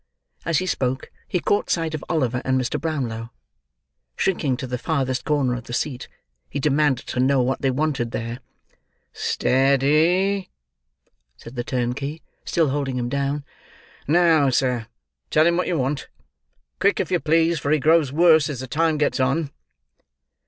As he spoke he caught sight of Oliver and Mr. Brownlow. Shrinking to the furthest corner of the seat, he demanded to know what they wanted there. "Steady," said the turnkey, still holding him down. "Now, sir, tell him what you want. Quick, if you please, for he grows worse as the time gets on."